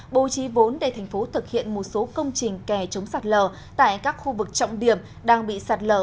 bố trí vốn để thành phố thực hiện một số công trình kè chống sạt lở tại các khu vực trọng điểm đang bị sạt lở